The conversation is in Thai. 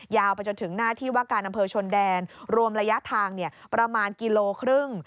ไปจนถึงหน้าที่ว่าการอำเภอชนแดนรวมระยะทางประมาณกิโลครึ่ง